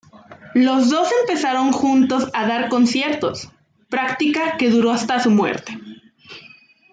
Los dos empezaron juntos a dar conciertos, práctica que duró hasta su muerte.